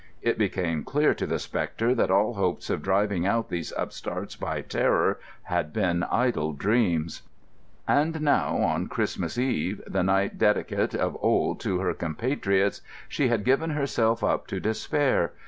It became clear to the spectre that all hopes of driving out these upstarts by terror had been idle dreams. And now, on Christmas Eve, the night dedicate of old to her compatriots, she had given herself up to despair.